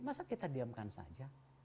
masa kita diamkan saja